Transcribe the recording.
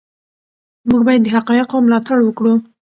موږ باید د حقایقو ملاتړ وکړو.